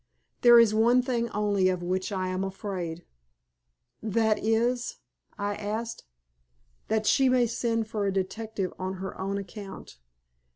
There is one thing only of which I am afraid." "That is " I asked. "That she may send for a detective on her own account.